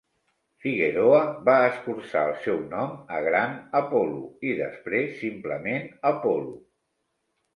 Figueroa va escurçar el seu nom a Gran Apolo, i després simplement Apolo.